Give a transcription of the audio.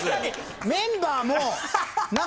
メンバーも。